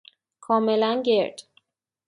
کاملا گرد